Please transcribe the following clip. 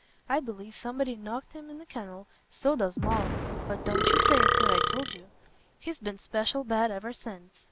I believe somebody'd knocked him in the kennel; so does Moll; but don't you say as I told you! He's been special bad ever since.